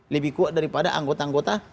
lebih kuat daripada anggota anggota